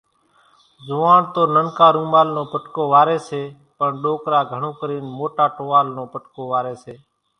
زوئاڻ تو ننڪا رومال نو پٽڪو واريَ سي، پڻ ڏوڪرا گھڻون ڪرين موٽا ٽووال نو پٽڪو واريَ سي۔